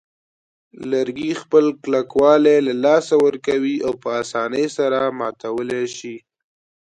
لرګي خپل کلکوالی له لاسه ورکوي او په آسانۍ سره ماتولای شي.